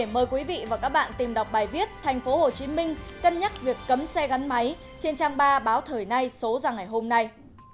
mời quý vị và các bạn tìm đọc bài viết tp hcm cân nhắc việc cấm xe gắn máy trên trang ba báo thời nay số ra ngày hôm nay